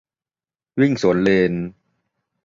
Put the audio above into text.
- วิ่งสวนเลน